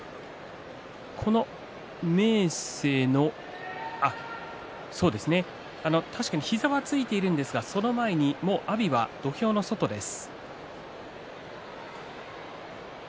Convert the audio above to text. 明生の結果はついているんですがその前に阿炎、土俵の外です。